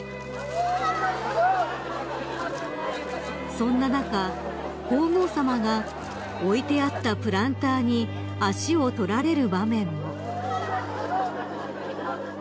［そんな中皇后さまが置いてあったプランターに足を取られる場面も］